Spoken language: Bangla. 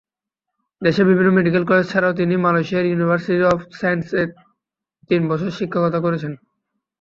দেশের বিভিন্ন মেডিকেল কলেজ ছাড়াও তিনি মালয়েশিয়ার ইউনিভার্সিটি অব সায়েন্স এ তিন বছর শিক্ষকতা করেছেন।